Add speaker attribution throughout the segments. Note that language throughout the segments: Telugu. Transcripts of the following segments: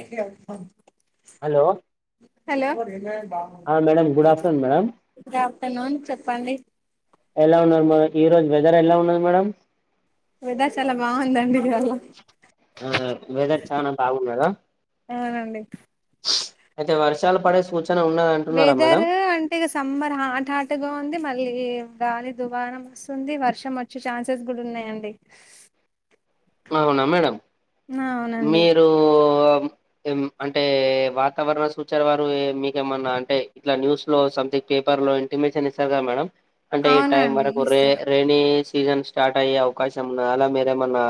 Speaker 1: ఇహి అగ్ బన్
Speaker 2: hello
Speaker 1: hello
Speaker 2: madam good afternoon madam
Speaker 1: good afternoon చెప్పండి
Speaker 2: ఎలా ఉన్నారు మనాకు ఈ రోజు వెదర్ ఎలా ఉన్నది మేడమ్
Speaker 1: వెదర్ చాలా బాగుందండి ఇవాళ
Speaker 2: ఆ వెదర్ చనా బాగున్నదా
Speaker 1: అవునండి
Speaker 2: అయితే వర్షాలు పడే సూచన ఉన్నద అంటున్నారా
Speaker 1: వెదర్
Speaker 2: మేడమ్
Speaker 1: అంటే ఇక సమ్మర్ హాట్ హాట్గా ఉంది మళ్ళీ గాలి దుబారం వస్తుంది వర్షం వ ఛాన్సు కూడా ఉన్నాయండి
Speaker 2: అవునా మేడం మీరు
Speaker 1: అనాడిబుల్
Speaker 2: అంటే వాతావరణ సూచార వారు మీకేమన్నా అంటే ఇట్లా న్యూస్ లో సంథింగ్ పేపర్ లో ఇంటిమేషన్ ఇస్తారు కదా మేడం అంటే ఈ టైం
Speaker 1: అవునండి
Speaker 2: వరకు రే
Speaker 1: ఇస్తారు
Speaker 2: రే నీ సీజన్ స్టార్ట్ అయ్యే అవకాశం ఉన్నా అలా మీరేమన్నా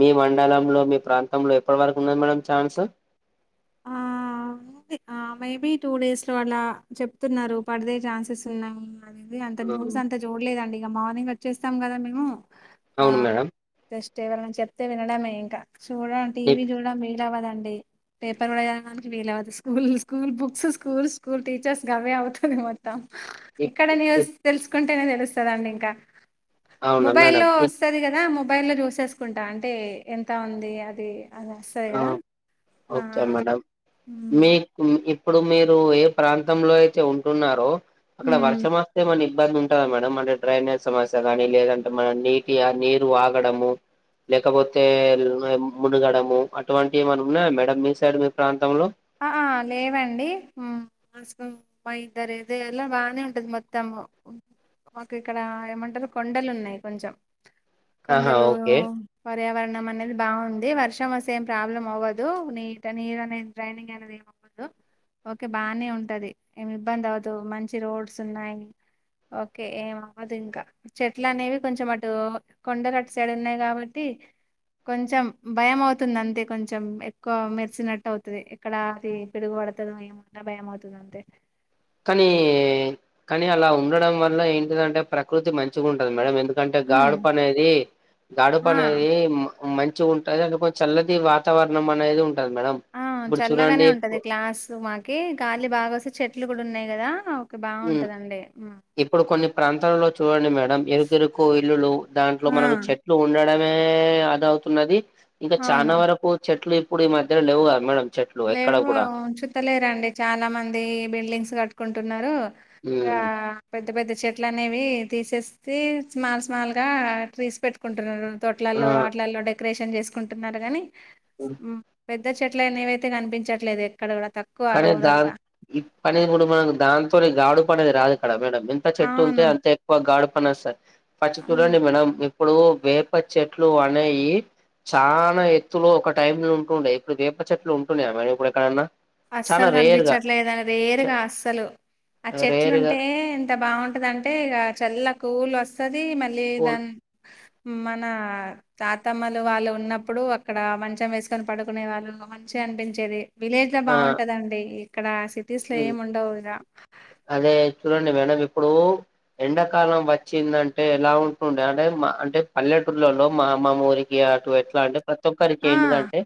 Speaker 2: మీ మండలంలో మీ ప్రాంతంలో ఎప్పటి వరకు ఉన్నది మేడమ్ ఛాన్స్
Speaker 1: మేబి ఆ మేబి టూ డేస్ లో అలా చెప్తున్నారు పడే ఛాన్సెస్ ఉన్నాయి అదది అంత న్యూస్ అంత చూడలేదండి ఇక మార్నింగ్ వచ్చేస్తాం కదా మేము ఆ
Speaker 2: అవును మేడం
Speaker 1: జెస్ట్ ఎవరన్నా చెప్తే వినడమే ఇంకా చూడడం టీవీ
Speaker 2: ఇప్
Speaker 1: చూడడం వీల అవ్వదండి పేపర్ కూడా చదవడానికి వీల అవతుదు school school books school school teachers గవే అవుతుంది మొత్తం ఇక్కడ
Speaker 2: ఇప్
Speaker 1: న్యూస్ తెలుసుకుంటేనే తెలుస్తుందండి ఇంకా
Speaker 2: అవునా
Speaker 1: మొబైల్
Speaker 2: మేడం
Speaker 1: లో
Speaker 2: ఇక్-
Speaker 1: వస్తుంది కదా మొబైల్లో చూసేసుకుంట అంటే ఎంత ఉంది అది అద సరే
Speaker 2: ఆ
Speaker 1: కదా ఆ
Speaker 2: ఓకే మేడం
Speaker 1: హ్మ్.
Speaker 2: మీకు మీ ఇప్పుడు మీరు ఏ ప్రాంతంలో అయితే ఉంటున్నారో అక్కడ
Speaker 1: హ్మ్
Speaker 2: వర్షం వస్తే మరీ ఇబ్బంది ఉంటంది ఉంటద మేడం అంటే డ్రైనేజ్ సమస్య కాని లేదంటే మనం నీటిగా నీరు వాగడము లేకపోతే లే మునుగడము అటువంటివి ఏమన్నా ఉన్నాయా మేడం మీ సైడ్ మీ ప్రాంతంలో
Speaker 1: ఆ లేవండి మాస్క మైదర ఇద ఎలా బాగానే ఉంటది మత్తము మాకు ఇక్కడ ఏమంటారు కొండలు ఉన్నాయి కొంచెం
Speaker 2: ఆహా
Speaker 1: కొండలు
Speaker 2: ఓకే
Speaker 1: పర్యావరణం అనేది బాగుంది వర్షం వస్తే యేం ప్రాబ్లం అవ్వదు నీటి నీరు అనేది ట్రైనింగ్ అనేదే ఏవద్దు ఓకే బానే ఉంటది ఏమి ఇబ్బంది అవదు మంచి రోడ్స్ ఉన్నాయి ఓకే ఏం ఆవదు ఇంకా చెట్ల అనేవి కొంచెం అటు కొండలు అటు సైడు ఉన్నాయి కాబట్టి కొంచెం భయం అవుతుంది అంతే కొంచెం ఎక్కువ మెరిసినట్టు అవుతు ఎక్కడ అది పిడుగు పడుతుంది ఏమంట భయం అవుతుంది అంతే
Speaker 2: కానీ కానీ అలా ఉండడం వల్ల ఏంటిదంటే ప్రకృతి మంచిగా ఉంటది మేడం ఎందుకు ఎందుకంటే
Speaker 1: హ్మ్.
Speaker 2: గాడుపు అనేది గడుపు
Speaker 1: ఆ!
Speaker 2: అనేది మ మంచి ఉంటుంది అంటే చల్లది వాతావరణం అనేది ఉంటది మేడమ్
Speaker 1: ఆ చల్లగానే ఉంటది గ్లాసు మాకి గాలి బాగా వస్తే చెట్లు కూడా ఉన్నాయి కదా ఆ
Speaker 2: మ్
Speaker 1: బాగుంటదండి
Speaker 2: ఇప్పుడు కొన్ని ప్రాంతాలల్లో చూడండి మేడం ఎరుకెరుకు ఇల్లులు దాంట్లో
Speaker 1: ఆ!
Speaker 2: మనకు చె ఉండడమే అద అవుతున్నది ఇంకా చానా
Speaker 1: అవును.
Speaker 2: వరకు చెట్లీ పొడి మధ్య లేవుగా మేడం చె
Speaker 1: లేవు ఉచుతలేరండి చాలా మంది బిల్డింగ్స్ కట్టుకుంటున్నారు ఇక
Speaker 2: మ్
Speaker 1: పెద్ద పెద్ద చెట్లు అనేవి తీసేస్త స్మాల్ స్మాల్ గా ట్రీస్ పెట్టుకుంటున్నారు వాట్లల్లో
Speaker 2: ఆ
Speaker 1: వాట్లల్లో డెకరేషన్ చేసుకుంటున్నారు గాని
Speaker 2: ఉడుహ్
Speaker 1: ఉహ్ పెద్ద చెట్లనేవయితే కనిపించట్లేదు ఎక్కడ కూడా తక్
Speaker 2: కడే దాన్ ఇప్పని గూడా మన దాంతో గాడు పనేది రాదు కడ మేడం. అంత చెట్టు ఉంటే అంత
Speaker 1: అవును
Speaker 2: ఎక్కువ గాడి పన్ వస్తాద్ పచ్చి చూడండి మేడం. ఇప్పుడు వేప చెట్లు అనేయి చానా ఎత్తులో ఒక టైం లో ఉంటుడే ఇప్పుడు వేప చెట్లు ఉంటున్నాయా మేడం ఇప్పుడు ఎక్కడన్నా. చానా
Speaker 1: అస్సలు
Speaker 2: రేర్ గా
Speaker 1: కనిపించట్లేదుని రేరుగా అస్సలు. ఆ
Speaker 2: రేర్ గా
Speaker 1: చెట్లుంటే ఎంత బావుంటదన్. అంటే ఇగా చల్ల కూలు వసది మళ్ళీ
Speaker 2: కోల్
Speaker 1: దాని మన తాతమ్మలు వాళ్ళు ఉన్నప్పుడు అక్కడ మంచం వేసుకొని పడుకునే వాళ్ళు మంచిగా అనిపించేది విలేజ్ ఇట్లా
Speaker 2: ఆ
Speaker 1: బావుటదండి ఇక్కడ సిటీస్ లో ఏమి ఉండవు ఇగా.
Speaker 2: అదే చూడండి మేడం ఇప్పుడు ఎండాకాలం వచ్చిందంటే ఎలా ఉంటుండే అంటే మా అంటే పల్లెటూర్లలో మా మా ఊరి ఇగా అటు ఎట్లా అంటే ప్రతి ఒక్కరికి
Speaker 1: ఆ
Speaker 2: ఇంటిదంటే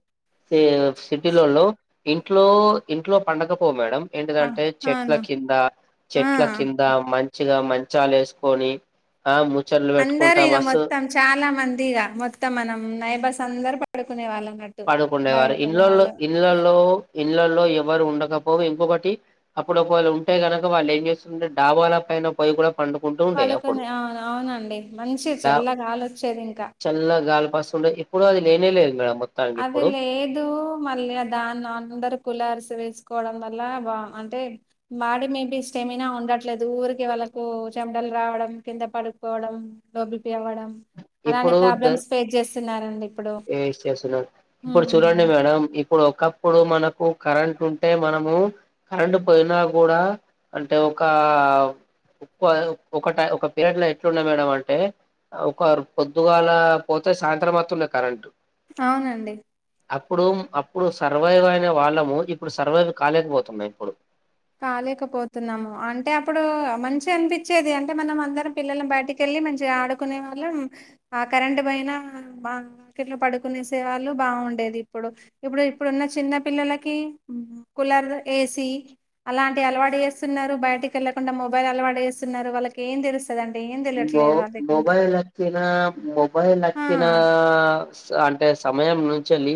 Speaker 2: సే సిటీ లోల్లో ఇంట్లో ఇంట్లో పండకపో మేడం.
Speaker 1: ఆ!
Speaker 2: ఏంటిదంటే చెట్ల
Speaker 1: అవును
Speaker 2: కింద
Speaker 1: ఆ
Speaker 2: చెట్ల కింన్ త మంచిగా మంచాల ఏసుకొని ఆ ముచ్చట్లు
Speaker 1: అందరు
Speaker 2: వెట్టుకుంటా
Speaker 1: ఇక
Speaker 2: మస్
Speaker 1: మొత్తం చాలా మందిగా మొత్తం మనం నైబస్ అందరు పడుకునే వాళ్ళ అన్నట్టు
Speaker 2: ఆడుకుండేవారు
Speaker 1: బయటకునే
Speaker 2: ఇండ్లలో
Speaker 1: వాళ్ళు
Speaker 2: ఇళ్లలో ఇళ్లలో ఎవరు ఉండకపో ఇంకొకటి అప్పుడు ఒకవేళ ఉంటే గనక వాళ్ళు ఏం జేసుంటే డావాల పైన పోయి గూడా పండుకుంటూ ఉండే అప్పుడు
Speaker 1: పడుకొని అవును అవునండి. మంచి
Speaker 2: డా
Speaker 1: చల్లగాలొచ్చేది ఇగా
Speaker 2: చల్ల గాలి పసుండో ఇప్పుడూ అది లేనే లేదు మేడం మొంత్
Speaker 1: అది లేదు మల్యాద్ దాన్ని అందరు కులరిసి వేసుకోవడం వల్ల బా అంటే మాడి మేబీ స్టెమినా ఉండట్లేదు ఊరికి వాళ్ళలకు చెండలు రావడం కింద పడుకోడం. డోబిపి అవ్వడం. అలాంటి
Speaker 2: ఇప్పుడు
Speaker 1: ప్రాబ్లమ్స్ ఫేస్ జేసున్నారండి ఇప్పుడు
Speaker 2: ఎయచ్ చేసున్నావ్ ఇప్పుడు చూడండి
Speaker 1: ఉమ్,
Speaker 2: మేడం. ఇప్పుడు ఒకప్పుడు మనకు కరెంట్ ఉంటే మనము కరెంటు పోయినా గూడా అంటే ఒకవ్ ఉపాద్ ఒకటా ఒక పీరియడ్ లో ఎట్లున్నా మేడం అంటే ఒకర్ పొద్దుగాల పోతే సాయంత్రం అతుండే కరెంట్.
Speaker 1: అవునండి
Speaker 2: అప్పుడు అప్పుడు సర్వైవ్ అయిన వాళ్ళము ఇప్పుడు సర్వైవ్ కాలేకపోతున్న ఇప్పుడు
Speaker 1: కాలేకపోతున్నాము అంటే అప్పుడు మంచి అనిపించేది అంటే మనం అందరం పిల్లలను బయటిక్ కెళ్ళి మంచిగా ఆడుకునే వాళ్ళం ఆ కరెంట్ బోయినా బా మార్కెట్ లో పడుకునే సేవాళ్లు బావుండేది. ఇప్పుడు ఇప్పుడు ఇప్పుడున్న చిన్న పిల్లలకి కూలర్ ఏసి అలాంటి అలవాటు ఏసున్నారు. బయటికి ఏళ్ళకుండా మొబైల్ అలవాటు ఏసున్నారు వాళ్ళకి ఏం దేల్స్ తాదండే ఎన్
Speaker 2: బో బోబైల్ వచ్చినా మోబైల్
Speaker 1: ఆ
Speaker 2: అచ్చినా. సా అంటే సమయం నుంచ్ ఏళ్ళి.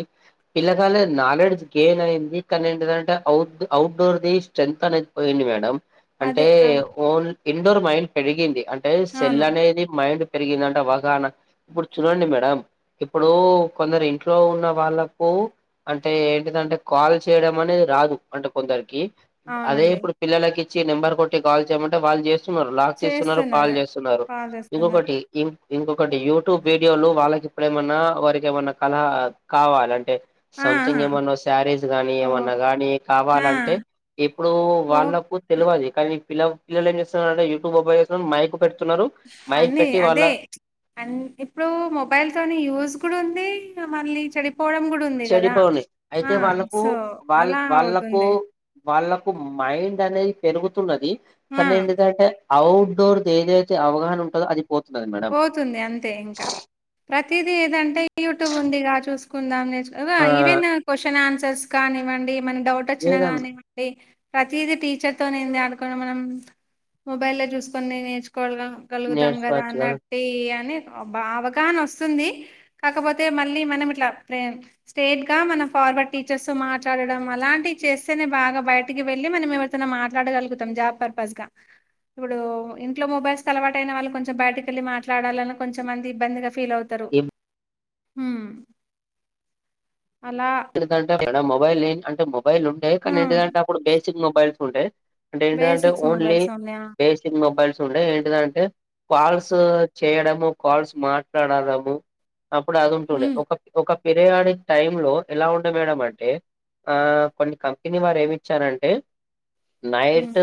Speaker 2: పిల్లగాలే నాలెడ్జ్ గెయిన్ అయింది కానీ ఏంటంటే అ అవుట్డోర్ది స్ట్రెంత్ అనేద్ పోయింది మేడం. అంటే
Speaker 1: అదే ఆ
Speaker 2: ఓన్ ఇండోర్ మైండ్ పెరిగింది అంటే సెల్
Speaker 1: అవును
Speaker 2: అనేది మైండ్ పెరిగిందింట బాగ న ఇప్పుడు చూడండి మేడం ఇప్పుడు కొందరు ఇంట్లో ఉన్న వాళ్ళకు అంటే ఏంటిదంటే కాల్ చేయడం అనేది రాదు అంటే కొందరికి అదే
Speaker 1: అవునండి
Speaker 2: ఇప్పుడు పిల్లలలకు ఇచ్చి నెంబర్ కొట్టి కాల్ చేయమంటే వాళ్ళు చేస్తున్నారు లాక్ చేస్తున్నారు కాల్ చేస్తున్నారు
Speaker 1: బాగా చేస్తున్నారు
Speaker 2: ఇంకొకటి ఇం ఇంకొకటి యూట్యూబ్ వీడియోలు వాళ్ళకి ఇప్పుడేమన్నా వారికి ఏమన్నా కలహ కావాలి అంటే సంథింగ్
Speaker 1: ఆహా
Speaker 2: ఏమన్నా శారీస్ గానీ
Speaker 1: ఓ
Speaker 2: ఏమన్నా గానీ
Speaker 1: ఆ
Speaker 2: కావాలంటే ఇప్పుడు
Speaker 1: ఓ
Speaker 2: వాళ్ళకు తెలవాది కానీ పిల పిల్లలు ఏ చేస్తున్నారంటే యూట్యూబ్ ఓపెన్ చేస్తున్నారు, మైక్ పెడుతున్నారు మైక్
Speaker 1: అన్నీ
Speaker 2: పెట్టి వాళ్ళ
Speaker 1: అదే అండ్ ఇప్పుడు మొబైల్ తోని యూజ్ కూడా ఉంది మళ్ళీ చెడిపోవడం కూడ
Speaker 2: చెడిపోని అయితే వాళ్ళకు వాళ్ళ
Speaker 1: అలా
Speaker 2: వాళ్ళకు
Speaker 1: అవుతుంది
Speaker 2: వాళ్ళలకు మైండ్ అనేది పెరుగుతున్నది కానీ
Speaker 1: ఆ
Speaker 2: ఏంటిదంటే అవుట్ డోర్ ది ఏదైతే అవగాహన ఉంటదో అది పోతున్నది మేడం
Speaker 1: పోతుంది అంతే ఇంకా ప్రతిదీ ఏదంటే యూట్యూబ్ ఉందిగా చూసుకుందాం ఆన్ కదా
Speaker 2: ఆ
Speaker 1: ఈవెన్ క్వశ్చన్ ఆన్సర్స్ కానివ్వండి మన డౌట్ వచ్చినా
Speaker 2: ఏదన్నా
Speaker 1: కానివ్వండి ది ప్రతిది టీచర్ తోనే ఏంది అనుకునే మనం మొబైల్లో చూసుకొని నేర్చుకోన గలుగుతాం కదా అన్నాట్టు ఈ అని బ అవగాహన వస్తుంది కాకపోతే మళ్ళీ మనం ఇట్లా ప్రే స్ట్రేట్ గా మన ఫార్వర్డ్ టీచర్స్ తో మాట్లాడడం అలాంటి చేస్తేనే బాగా బయటకి వెళ్ళి మనం ఎ మనం మాట్లాడగల్గుతాం జాబ్ పర్పస్ గా ఇప్పుడు ఇంట్లో మొబైల్స్ కి అలవాటు అయినవాళ్ళు కొంచెం బైట క వెళ్ళి మాట్లాడాలని కొంచమంది ఇబ్బందిగా ఫీల్ అవుతారు
Speaker 2: ఈ
Speaker 1: ఉమ్ అలా
Speaker 2: ఎండిటంటే టే మేడం మొబైల్ ని అంటే మొబైల్ ఉంటె కానీ
Speaker 1: హ్మ్
Speaker 2: ఏంటిదంటే అప్పుడు బేసిక్ మొబైల్స్ ఉంటే అంటే ఏంటిదంటే
Speaker 1: బేసిక్స్
Speaker 2: ఓన్లీ
Speaker 1: మొబైల్స్ ఆ
Speaker 2: బేసిక్ మొబైల్స్ ఉండేయి ఏంటిదంటే కాల్స్ చేయడము కాల్స్ మాట్లాడడము అప్పుడు అది ఉంటుండే
Speaker 1: హ్మ్
Speaker 2: ఒక ఒక పిరియాడిక్ టైమ్ లో ఎలా ఉండే మేడం అంటే ఆ కొన్ని కంపెనీ వారు ఏమి ఇచ్చారంటే
Speaker 1: హ్మ్
Speaker 2: నైట్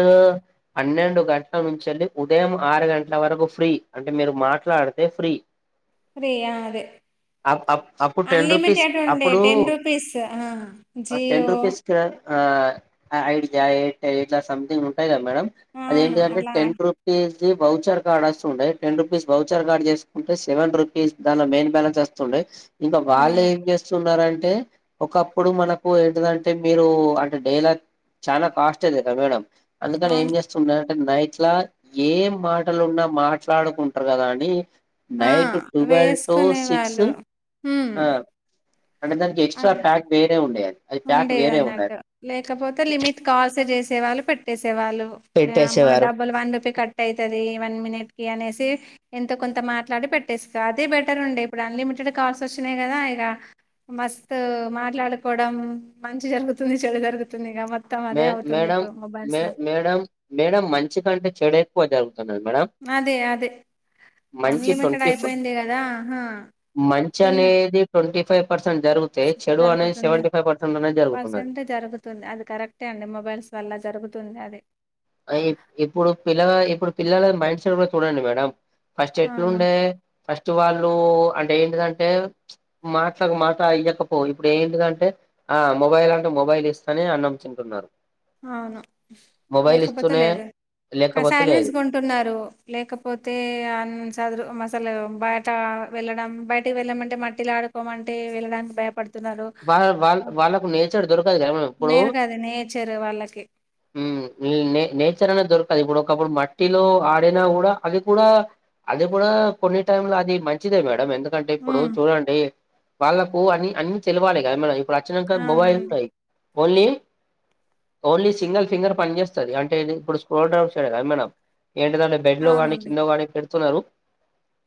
Speaker 2: పన్నెండు గంటల నుంచి ఎల్లి ఉదయం ఆరు గంటల వరకు ఫ్రీ అంటే మీరు మాట్లాడితే ఫ్రీ
Speaker 1: మరి ఆ అదే
Speaker 2: అప్ అప్ అప్పుడు టెన్ రూపీస్
Speaker 1: అన్లిమిటెడ్టండే ఉండే
Speaker 2: అప్పుడు
Speaker 1: టెన్ రూ పీస్ ఆ
Speaker 2: టెన్
Speaker 1: జియో
Speaker 2: రూపీస్ క ఆ ఐడి యా ఇట్లా సంథింగ్ ఉంటాయి కదా మేడమ్
Speaker 1: అవును
Speaker 2: అదేంటిదంటే
Speaker 1: అలా
Speaker 2: టెన్ రూ ten rupees the voucher card వస్తుండే టెన్ రూపీస్ వోచర్ కార్డ్ చేసుకుంటే సవెన్ రూపీస్ దానిలో మేయిన్ బ్యాలన్స్ వస్తు తుండే ఇంకా వాళ్ళు
Speaker 1: అవును
Speaker 2: ఏం చేస్తున్నారంటే ఒకప్పుడు మనకు ఏంటదంటే మీరు అంటే డైలార్ చానా కాస్ట్ అది [unintelligible] అందుకని ఏం
Speaker 1: అవును
Speaker 2: చేస్త్ న్నే నైట్లా ఏం మాటలున్నా మాట్లాడుకుంటారు కదా అని
Speaker 1: ఆ
Speaker 2: నైట్ ట్వెల్వ్ టు
Speaker 1: వేసుకునే
Speaker 2: సిక్స్
Speaker 1: వాళ్ళు హ్మ్
Speaker 2: ఆ అంటే దానికి ఎక్స్ట్రా
Speaker 1: అట్ల
Speaker 2: ప్యాక్ వేరే ఉండే అది ప్యాక్
Speaker 1: ఉండేది
Speaker 2: వేరే
Speaker 1: అన్నట్టు లేకపోతే లిమిట్ కాల్స్ ఏ చేసేవాళ్ళు పెట్టేసేవాళ్ళు ఓ అమ్మా
Speaker 2: పెట్టేసేవారు
Speaker 1: డబ్బులు వన్ రూపి కట్ అయితది వన్ మినిట్ కి అనేసి ఎంతో కొంత మాట్లాడి పెట్టేస్తారు అదే బెటర్ ఉండే ఇప్పుడు అన్లిమిటెడ్ కాల్స్ వచ్చినాయి కదా ఇక మస్తు మాట్లాడుకోవడం మంచి జరుగుతుంది చెడు జరుగుతుంది ఇగ
Speaker 2: మే మేడం మే మేడం మేడం మంచి కంటే చెడు ఎక్కువ జరుగుతున్నారు మేడం
Speaker 1: అదే అదే
Speaker 2: మంచి
Speaker 1: అన్లిమిటెడ్
Speaker 2: ట్వంటీ ఫ
Speaker 1: అయిపోయింది కద
Speaker 2: మంచి
Speaker 1: పిల్
Speaker 2: అనేది ట్వంటీ ఫైవ్ పర్సెంట్ జరితే చెడు అనేది
Speaker 1: జరుగుతుంది
Speaker 2: సెవెంటీ ఫైవ్ పర్సెం అనేది జరుగుతున్నది
Speaker 1: పర్సెంట్ జరుగుతుంది అది కరెక్టే అండి మొబైల్స్ వల్ల జరుగుతుంది అది
Speaker 2: ఇప్పుడు పిల్ల ఇప్పుడు పిల్లల మైండ్ సెట్ కూడ చూడండి మేడం ఫస్ట్
Speaker 1: అవును
Speaker 2: ఎట్లుంటాయ్ ఫస్ట్ వాళ్ళు అంటే ఏంటిదంటే మాట్లా మాట ఇయ్యకపో ఇప్పుడు ఏంటిదంటే ఆ మొబైల్ అంటే మొబైల్ ఇస్తానే అన్నం తింటున్నారు
Speaker 1: అవును
Speaker 2: మొబైల్
Speaker 1: లేకపోతే
Speaker 2: ఇస్తూనే
Speaker 1: లేదు [unintelligible]
Speaker 2: లేకపోతే లేదు
Speaker 1: సైలెన్స్గా కుంటున్నారు లేకపోతే అ చదురు అసలు బయట వెళ్ళడం బయటకి వెళ్ళమంటే మట్టిలో ఆడుకోమంటే వెళ్ళడానికి భయపడు
Speaker 2: వాళ్ళ వాళ్ళ వాళ్ళకు నేర్చర్ దొరకదులే ఇప్పుడు
Speaker 1: చ్చరే వాళ్ళకి
Speaker 2: ఉ నే నేచర్ అనే దొరకదు ఇప్పుడు ఒకప్పుడు మట్టిలో ఆడినా కూడ అది కూడ అది కూ కొన్ని టైమ్ లో అది మంచిదే మేడం ఎందు ఎందుకంటే ఇప్పుడు
Speaker 1: ఉమ్
Speaker 2: చూడండి వాళ్ళకు అన్ని అన్ని తెలవాలి కదా మన ఇప్పుడు అచ్చినక మొబైల్
Speaker 1: అవునండి
Speaker 2: ఉన్నాయి ఓన్లీ ఓన్లీ సింగిల్ ఫింగర్ పనిచేస్తది అంటే ఇప్పుడు స్క్రోల్ డ్రైవర్ చేయడం మనం ఏంటిదంటే బెడ్లో గానీ
Speaker 1: అవునండి
Speaker 2: కింద గానీ పెడుతున్నారు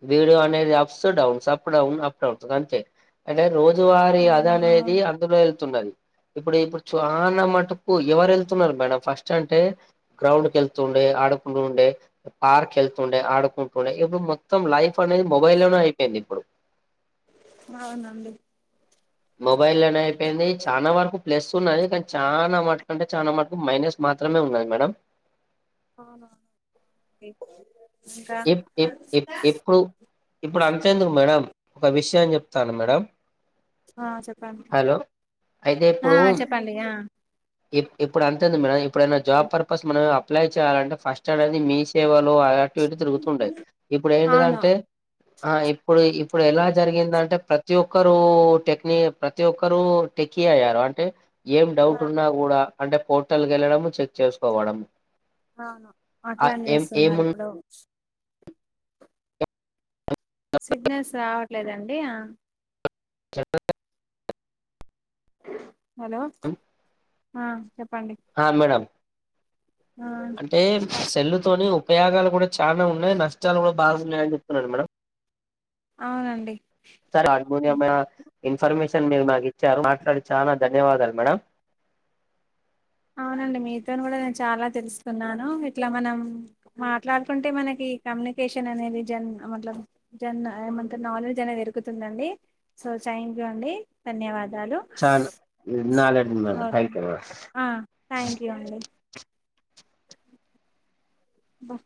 Speaker 2: [unintelligible] అనేది ups downs up down up downs అంతే అంటే రోజువా మరి అది
Speaker 1: అవును
Speaker 2: అనేది
Speaker 1: అవును
Speaker 2: అందులో వెళ్తున్నది ఇప్పుడు ఇప్పుడు చాల మటుకు ఎవరు వెళ్తున్నారు మేడం ఫస్ట్ అంటే గ్రౌండ్కు వెళ్తుండే [unintelligible] ఉండే పార్క్ వెళ్తుండే ఆడుకుంటుండే ఇప్పుడు మొత్తం లైఫ్ అనేది మొబైల్ లోనే అయిపోయింది ఇప్పుడు
Speaker 1: అవునండి
Speaker 2: మొబైల్ లోనే అయిపోయింది చాల వరకు ప్లస్ ఉన్నయి కానీ చాలా మట్టుకు అంటే చాలా మటుకు మైనస్ మాత్రమే ఉన్నది మేడం
Speaker 1: అవునా అవునండి
Speaker 2: ఎప్పుడు ఇప్పుడు అంతేందుకు మేడం ఒక విషయం చెప్తాను మేడం
Speaker 1: ఆ చెప్పండి
Speaker 2: హలో అయితే
Speaker 1: ఆ
Speaker 2: ఇప్పుడు
Speaker 1: చెప్పండి ఆ
Speaker 2: ఇప్పుడు అంతేంది మేడం ఇప్పుడైన జాబ్ పర్పస్ మనం అప్లై చేయాలంటే ఫస్ట్ అది మీ సేవలో అలాంటివి తిరుగుతుండాయి ఇప్పుడు
Speaker 1: అవును
Speaker 2: ఏంటిదంటే ఆ ఇప్పుడు ఇప్పుడు ఎలా జరిగిందంటే ప్రతి ఒక్కరు టెక్ని ప్రతి ఒక్కరు టెకి అయ్యారు అంటే ఏం
Speaker 1: ఆ,
Speaker 2: డౌట్ ఉన్నా కూడ అంటే పోర్టల్కి వెళ్ళడము చెక్ చేసుకో [unintelligible]
Speaker 1: అవును అట్ల అని చేస్తున్నారు ఇప్పుడు సిగ్నల్స్ రావట్లేదండి
Speaker 2: చ
Speaker 1: హలో చెప్పండి
Speaker 2: ఆ మేడం
Speaker 1: ఆ
Speaker 2: అంటే
Speaker 1: బ
Speaker 2: సెల్లుతోని ఉపయోగాలు కూడ చాల ఉన్నాయి నష్టాలు కూడా బాగున్నాయని చెప్తున్నాను మేడ
Speaker 1: అవునండి
Speaker 2: హార్మోనియ ఇన్ఫర్మేషన్ మీరు మాకు ఇచ్చారు మాట్ల చాల ధన్యవాదాలు మేడం
Speaker 1: అవునండి మీతోన్ కూడా నేను చాలా తెలుసుకున్నాను ఇట్లా మనం. మాట్లాడుకుంటే మనకి కమ్యూనికేషన్ అనేది జన్ మల జన్ ఏమంత నాలెడ్జ్ అనేది దరుగుకుతుందండి సో థ్యాంక్ యూ అండి ధన్యవాదాలు
Speaker 2: చాలు నాలెడ్జ్ పైకి వస్
Speaker 1: ఆ థ్యాంక్ యూ అండి బ.